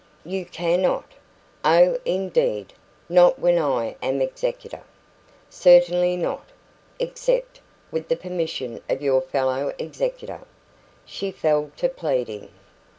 "You cannot." "Oh, indeed! Not when I am executor?" "Certainly not except with the permission of your fellow executor." She fell to pleading.